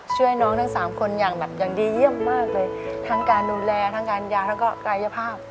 ช่วยน้องทั้งสามคนอย่างแบบอย่างดีเยี่ยมมากเลยทั้งการดูแลทั้งการยาแล้วก็กายภาพ